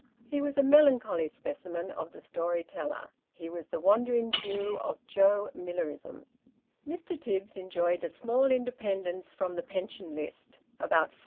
He was a melancholy specimen of the story teller. He was the wandering Jew of Joe Millerism. 206 Sketches by Bos. Mr. Tibbs enjoyed a small independence from the pension list abont 43Z.